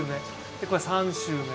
でこれ３週目。